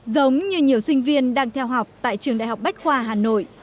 giống như nhiều sinh viên đang theo học tại trường đại học bách khoa hà nội